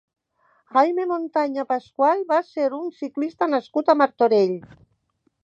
Jaime Montaña Pascual va ser un ciclista nascut a Martorell.